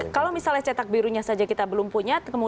kalau misalnya cetak birunya saja kita belum punya